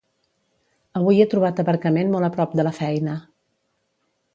Avui he trobat aparcament molt a prop de la feina